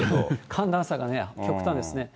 寒暖差がね、極端ですね。